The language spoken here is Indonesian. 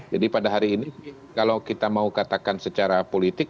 jadi pada hari ini kalau kita mau katakan secara politik